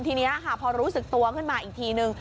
ทีนี้ค่ะพอรู้สึกตัวขึ้นมาอีกทีนึง